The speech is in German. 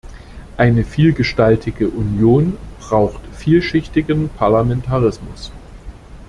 Eine vielgestaltige Union braucht vielschichtigen Parlamentarismus.